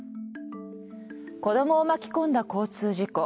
子供を巻き込んだ交通事故。